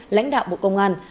lãnh đạo bộ công an